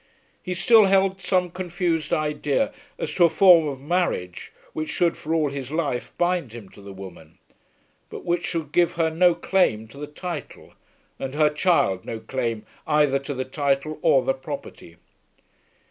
He still held some confused idea as to a form of marriage which should for all his life bind him to the woman, but which should give her no claim to the title, and her child no claim either to the title or the property.